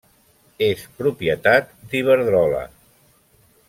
És propietat d'Iberdrola.